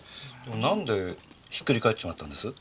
なんでひっくり返っちまったんです？